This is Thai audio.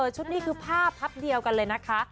ชุดนี้คือภาพพับเดียวกันเลยนะคะ